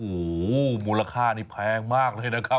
โอ้โหมูลค่านี่แพงมากเลยนะครับ